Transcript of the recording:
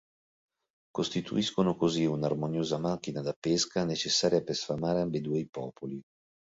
Costituiscono così un'armoniosa macchina da pesca necessaria per sfamare ambedue i popoli.